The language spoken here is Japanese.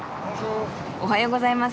おはようございます。